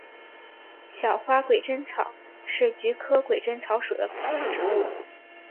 小花鬼针草是菊科鬼针草属的植物。